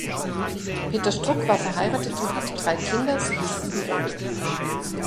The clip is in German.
Peter Struck war verheiratet und hatte drei Kinder sowie sieben Enkel.